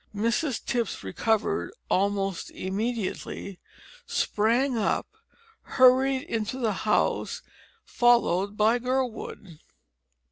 Mrs Tipps recovered almost immediately, sprang up, and hurried into the house, followed by Gurwood.